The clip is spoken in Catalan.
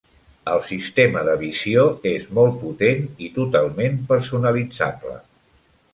El sistema de visió és molt potent i totalment personalitzable.